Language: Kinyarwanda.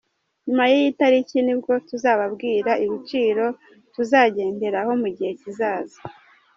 Nyuma y’iyi tariki nibwo tuzababwira ibiciro tuzagenderaho mu gihe kizaza.